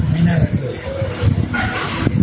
ไม่น่าว่าจะเปลี่ยน